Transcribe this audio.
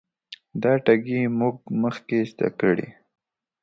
دا ټګي موږ مخکې زده کړې.